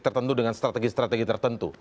tertentu dengan strategi strategi tertentu